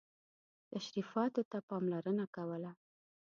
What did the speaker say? تشریفاتو ته پاملرنه کوله.